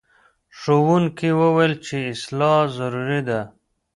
ښوونکي وویل چې اصلاح ضروري ده.